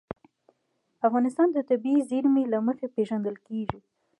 افغانستان د طبیعي زیرمې له مخې پېژندل کېږي.